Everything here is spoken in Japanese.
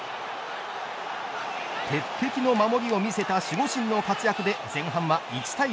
鉄壁の守りを見せた守護神の活躍で前半は１対０